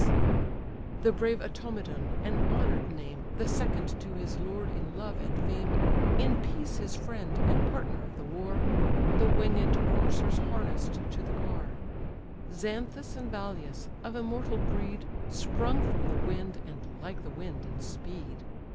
Buckles The brave Automedon (an honour'd name, The second to his lord in love and fame, In peace his friend, and partner of the war) The winged coursers harness'd to the car; Xanthus and Balius, of immortal breed, Sprung from the wind, and like the wind in speed.